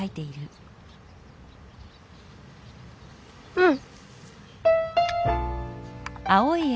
うん。